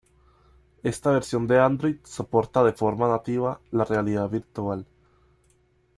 Esta versión de Android soporta de forma nativa la realidad virtual.